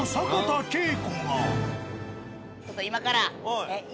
ちょっと今から。